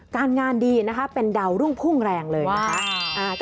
การงานดีนะคะเป็นดาวรุ่งพุ่งแรงเลยนะคะ